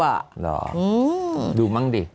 หรอดูมั้งดิ